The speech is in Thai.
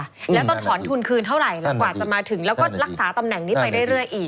แล้วต้องถอนทุนคืนเท่าไหร่แล้วกว่าจะมาถึงแล้วก็รักษาตำแหน่งนี้ไปเรื่อยอีก